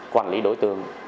quản lý đối tượng